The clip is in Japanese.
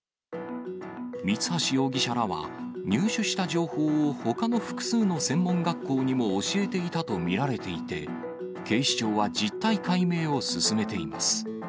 三橋容疑者らは、入手した情報をほかの複数の専門学校にも教えていたと見られていて、警視庁は実態解明を進めています。